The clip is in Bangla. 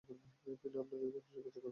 তিনি আপনাকে প্রশ্ন জিজ্ঞাসা করবে।